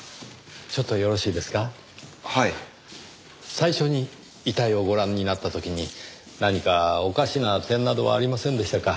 最初に遺体をご覧になった時に何かおかしな点などはありませんでしたか？